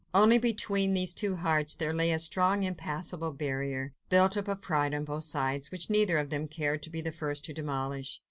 Only between these two hearts there lay a strong, impassable barrier, built up of pride on both sides, which neither of them cared to be the first to demolish.